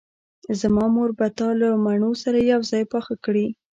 زما مور به تا له مڼو سره یوځای پاخه کړي